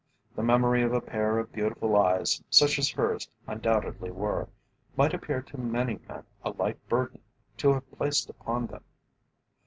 The memory of a pair of beautiful eyes, such as hers undoubtedly were, might appear to many men a light burden to have placed upon them.